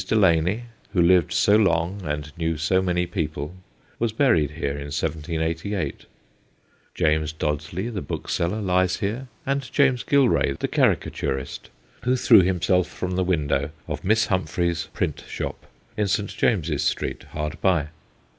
Delany, who lived so long and knew so many people, was buried here in 1788. James Dodsley the bookseller lies here, and James Gilray the caricaturist, who threw himself from the window of Miss Humphry's print shop, in St. James's Street hard by.